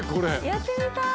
やってみたい！